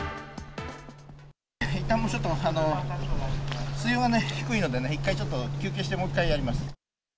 いったんちょっと水温ね、低いのでね、一回ちょっと休憩して、もう一回やります。